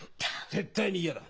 絶対に嫌だ。